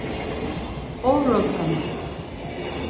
Ovro tzaneri.